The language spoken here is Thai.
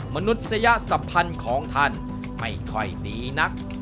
มนุษยสัมพันธ์ของท่านไม่ค่อยดีนัก